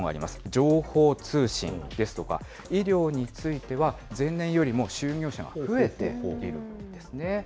情報通信ですとか、医療については、前年よりも就業者が増えているんですね。